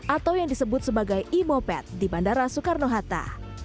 atau yang disebut sebagai imoped di bandara soekarno hatta